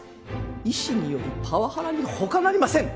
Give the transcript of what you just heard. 医師によるパワハラに他なりません！